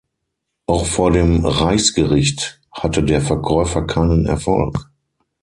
Auch vor dem Reichsgericht hatte der Verkäufer keinen Erfolg.